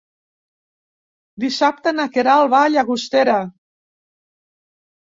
Dissabte na Queralt va a Llagostera.